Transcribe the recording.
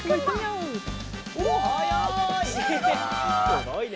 すごいね。